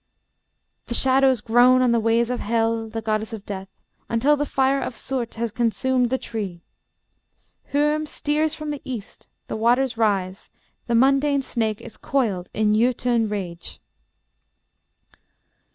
The shadows groan on the ways of Hel (the goddess of death), until the fire of Surt has consumed the tree. Hyrm steers from the east, the waters rise, the mundane snake is coiled in jötun rage.